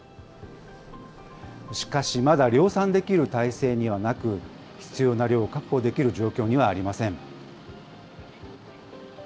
しかし、まだ量産できる体制にはなく、必要な量を確保できる状況にはありません。